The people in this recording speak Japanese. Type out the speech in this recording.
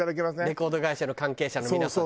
レコード会社の関係者の皆さんね。